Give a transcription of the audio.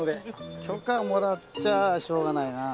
許可もらっちゃあしょうがないなあ。